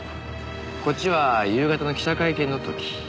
こっちは夕方の記者会見の時。